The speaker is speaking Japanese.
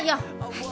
はい。